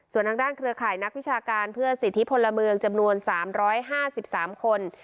ส่วนทางด้านเครือข่ายนักวิชาการเพื่อสิทธิพลเมืองจำนวน๓๕๓คน